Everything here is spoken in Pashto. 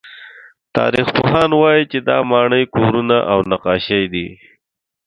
تاریخپوهان وایي چې دا ماڼۍ، کورونه او نقاشۍ دي.